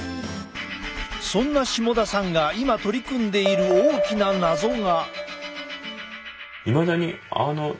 そんな下田さんが今取り組んでいる大きな謎が。